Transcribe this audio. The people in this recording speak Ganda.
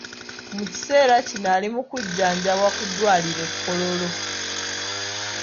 Mu kiseera kino ali mu kujjanjabwa ku ddwaliro e Kololo.